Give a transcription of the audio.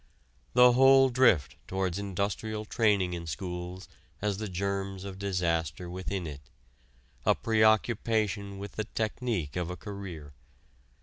The whole drift towards industrial training in schools has the germs of disaster within it a preoccupation with the technique of a career.